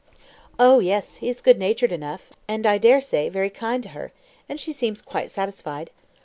"Oh, yes, he is good natured enough, and I dare say, very kind to her, and she seems quite satisfied.